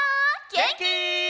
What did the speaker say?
げんき？